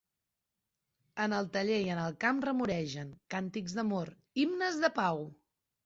En el taller i en el camp remoregen, càntics d'amor, himnes de pau!